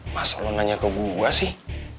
masa lu nanya ke gua sih